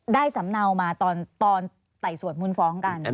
สำเนามาตอนไต่สวดมูลฟ้องกัน